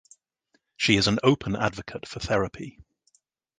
She is an open advocate for therapy.